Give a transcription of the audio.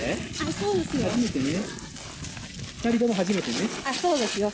そうですね。